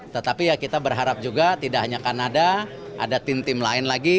tetapi ya kita berharap juga tidak hanya kanada ada tim tim lain lagi